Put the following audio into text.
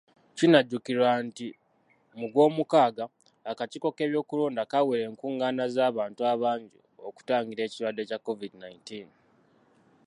Kinajjukirwa nti mu Gwomukaaga, akakiiko k'ebyokulonda kaawera enkung'ana z'abantu abangi okutangira ekirwadde kya COVID nineteen.